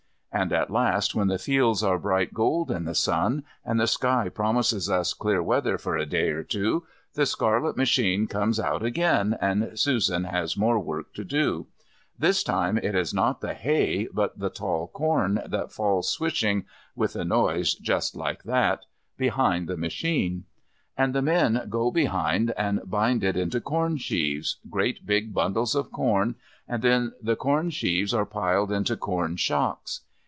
And at last, when the fields are bright gold in the sun, and the sky promises us clear weather for a day or two, the scarlet machine comes out again, and Susan has more work to do. This time it is not the hay, but the tall corn that falls swishing (with a noise just like that) behind the machine. And men go behind and bind it into corn sheaves, great big bundles of corn, and then the corn sheaves are piled into corn shocks.